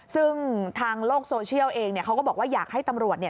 ซึ่งทางโลกโซเชียลเองเขาก็บอกว่าอยากให้ตำรวจ